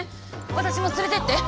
私も連れてって。